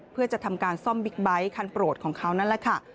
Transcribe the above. เพื่อจะทำการซ่อมบิ๊กไบท์คันโปรดของเขานั่นแหละค่ะ